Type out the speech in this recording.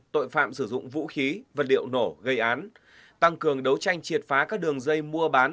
tội phạm sử dụng vũ khí vật liệu nổ gây án tăng cường đấu tranh triệt phá các đường dây mua bán